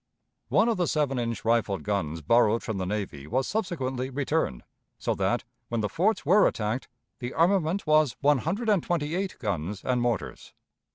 One of the seven inch rifled guns borrowed from the navy was subsequently returned, so that, when the forts were attacked, the armament was one hundred and twenty eight guns and mortars.